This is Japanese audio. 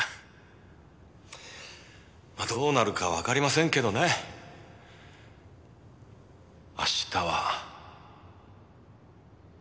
まあどうなるかわかりませんけどね明日は。